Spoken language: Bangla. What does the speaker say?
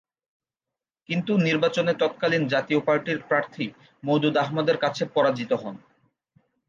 কিন্তু নির্বাচনে তৎকালীন জাতীয় পার্টির প্রার্থী মওদুদ আহমদের কাছে পরাজিত হন।